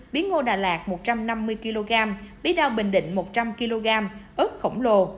bí ngô đà lạt một trăm năm mươi kg bí đao bình định một trăm linh kg ớt khổng lồ